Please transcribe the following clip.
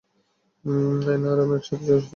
নায়না আর আমি এক সাথে স্কুলে ছিলাম।